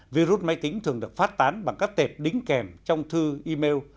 virus máy tính thường được phát tán bằng các tệp đính kèm trong thư email